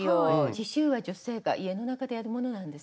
刺しゅうは女性が家の中でやるものなんですね。